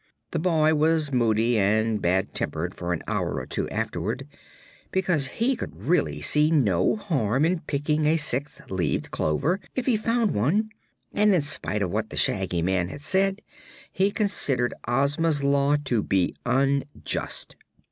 The boy was moody and bad tempered for an hour or two afterward, because he could really see no harm in picking a six leaved clover, if he found one, and in spite of what the Shaggy Man had said he considered Ozma's law to be unjust.